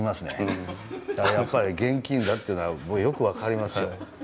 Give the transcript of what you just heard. だからやっぱり現金だっていうのはよく分かりますよ。